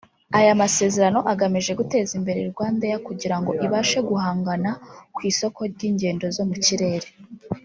Aya masezerano agamije guteza imbere Rwandair kugira ngo ibashe guhangana ku isoko ry’igendo zo mu kirere